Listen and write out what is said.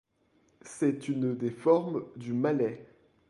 C'est une des formes du malais.